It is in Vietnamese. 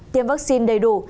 tiêm vaccine đầy đủ